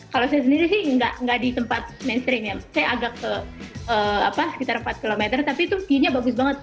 kalau saya sendiri sih nggak di tempat mainstream ya saya agak ke sekitar empat km tapi tuh key nya bagus banget